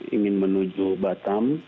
ingin menuju batam